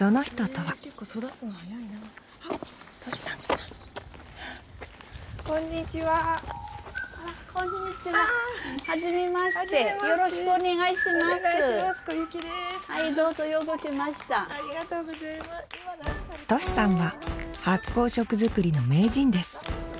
としさんは発酵食づくりの名人です